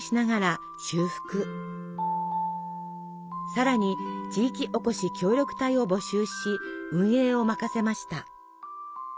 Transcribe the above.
さらに地域おこし協力隊を募集し運営を任せました。